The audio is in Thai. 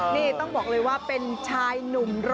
นี่ต้องบอกเลยว่าเป็นชายหนุ่ม๑๐๐